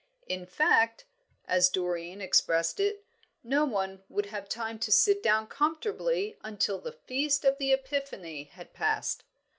"In fact," as Doreen expressed it, "no one would have time to sit down comfortably until the feast of Epiphany had passed."